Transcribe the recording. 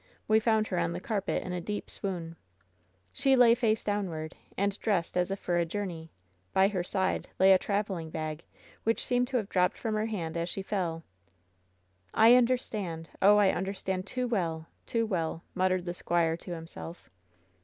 We found her on the carpet in a deep swoon. "She lay face downward, and dressed as if for a jour ney. By her side lay a traveling bag, which seemed to have dropped from her hand as she fell.'' "I understand! Oh, I understand too well! too well!" muttered the squire to himself.